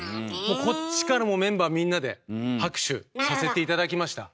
こっちからもメンバーみんなで拍手させて頂きました。